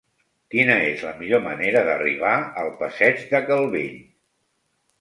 Quina és la millor manera d'arribar al passeig de Calvell?